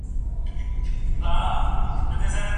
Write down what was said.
موږ په نوي پروژه کي برخه اخلو.